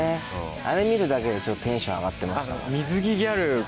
あれ見るだけでちょっとテンション上がってましたもんね。